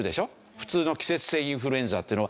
普通の季節性インフルエンザっていうのは。